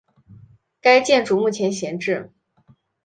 该建筑目前闲置。